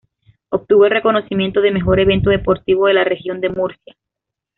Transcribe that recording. Obtuvo el reconocimiento de mejor evento deportivo de la Región de Murcia.